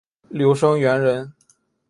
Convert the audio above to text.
刘声元人。